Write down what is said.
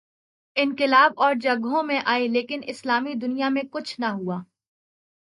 انقلاب اور جگہوں میں آئے لیکن اسلامی دنیا میں کچھ نہ ہوا۔